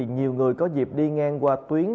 nhiều người có dịp đi ngang qua tuyến